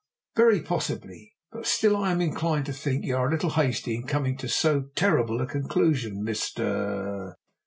"Very possibly. But still I am inclined to think you are a little hasty in coming to so terrible a conclusion, Mr.